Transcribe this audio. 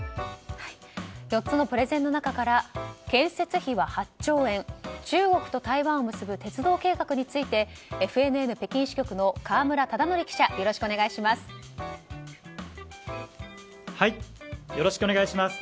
４つのプレゼンの中から建築費は８兆円、中国と台湾を結ぶ鉄道計画についてＦＮＮ北京支局の河村忠徳記者よろしくお願いします。